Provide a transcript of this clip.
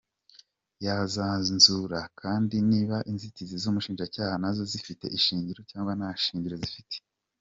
Yazanzura kandi niba inzitizi z’ubushinjacyaha na zo zifite ishingiro cyangwa nta shingiro zifite.